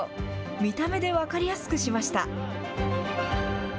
見た目で分かりやすくしました。